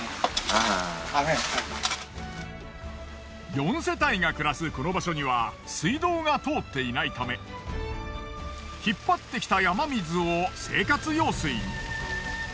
４世帯が暮らすこの場所には水道が通っていないため引っ張ってきた山水を生活用水に。